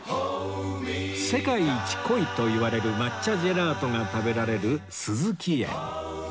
世界一濃いといわれる抹茶ジェラートが食べられる壽々喜園